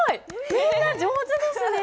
みんな上手ですね。